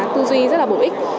tư duy rất là bổ ích